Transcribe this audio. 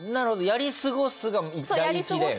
「やり過ごす」が第一だよね。